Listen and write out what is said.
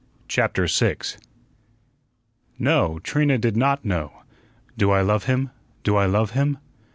CHAPTER 6 No, Trina did not know. "Do I love him? Do I love him?"